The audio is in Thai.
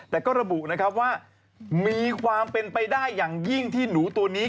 แต่ก็ระบุนะครับว่ามีความเป็นไปได้อย่างยิ่งที่หนูตัวนี้